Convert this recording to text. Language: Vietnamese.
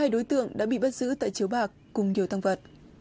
một mươi hai đối tượng đã bị bắt giữ tại chiếu bạc cùng nhiều tăng vật